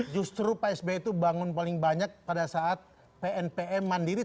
justru pak sby itu bangun paling banyak pada saat pnpm mandiri